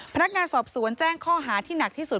พนักงานสอบสวนแจ้งข้อหาที่หนักที่สุด